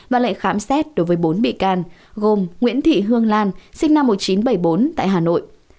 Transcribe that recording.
và lệnh khám xét đối với bốn bị can gồm nguyễn thị hương lan sinh năm một nghìn chín trăm bảy mươi bốn tại hà nội